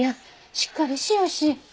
しっかりしおし。